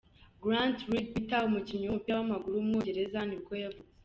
Grant Leadbitter, umukinnyi w’umupira w’amaguru w’umwongereza nibwo yavutse.